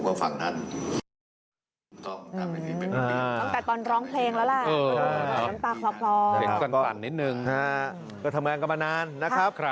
ก็ทำงานก็มานานนะครับ